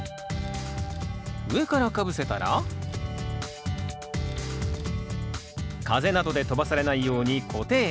上からかぶせたら風などで飛ばされないように固定。